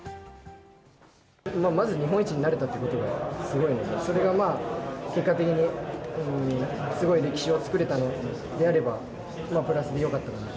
まず日本一になれたっていうことが、すごいので、それがまあ、結果的にすごい歴史を作れたのであれば、プラスでよかったかなと。